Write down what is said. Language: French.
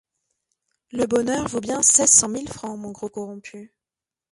Le bonheur vaut bien seize cent mille francs, mon gros corrompu.